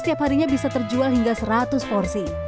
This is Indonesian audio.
setiap harinya bisa terjual hingga seratus porsi